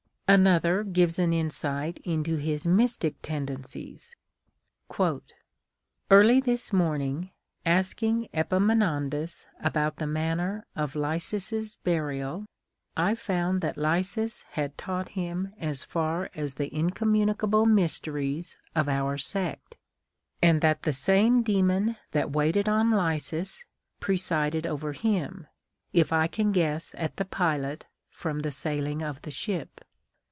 XV Another gives an insight into his mystic tendencies, —" Early this morning, asking Epaminondas about the manner of Lysis's burial, I found that Lysis had taught him as far as the incommunicable mysteries of our sect, and that the same D;cmon that waited on Lysis, presided over him, if I can guess at the pilot from the sailing of the ship.